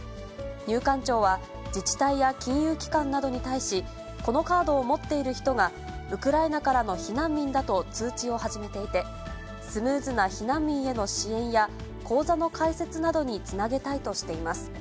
入管庁は、自治体や金融機関などに対し、このカードを持っている人が、ウクライナからの避難民だと通知を始めていて、スムーズな避難民への支援や、口座の開設などにつなげたいとしています。